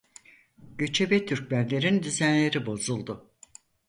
Göçebe Türkmenlerin düzenleri bozuldu.